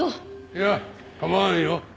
いや構わんよ。